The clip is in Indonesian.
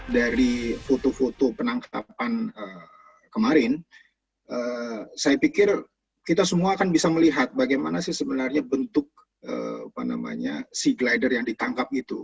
dari foto foto penangkapan kemarin saya pikir kita semua akan bisa melihat bagaimana sih sebenarnya bentuk sea glider yang ditangkap itu